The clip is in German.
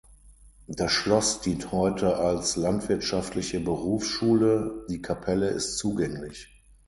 Das Schloss dient heute als landwirtschaftliche Berufsschule, die Kapelle ist zugänglich.